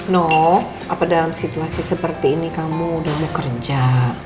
no apa dalam situasi seperti ini kamu udah mau kerja